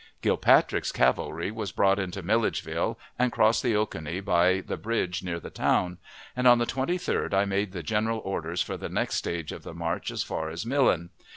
Gilpatrick's cavalry was brought into Milledgeville, and crossed the Oconee by the bridge near the town; and on the 23d I made the general orders for the next stage of the march as far as Millen.